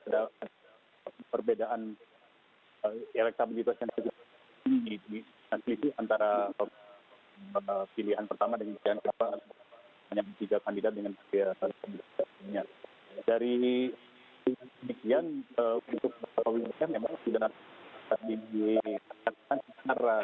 ada perbedaan elektabilitas yang terjadi di nasi lisi antara